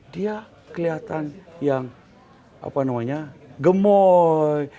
dia kelihatan yang gemoy